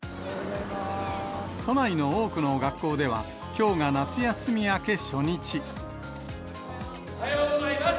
都内の多くの学校では、おはようございます。